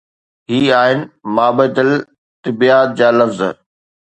هي آهن مابعد الطبعيات جا لفظ.